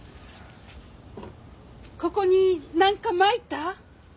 ここになんかまいた？